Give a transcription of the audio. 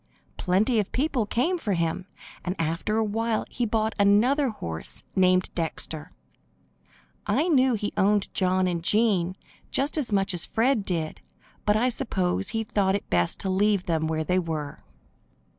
Plenty of people came for him, and after a while he bought another horse named Dexter. I knew he owned John and Jean just as much as Fred did, but I suppose he thought best to leave them where they were.